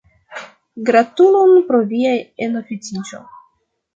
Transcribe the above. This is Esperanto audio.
Gratulon pro via enoficiĝo.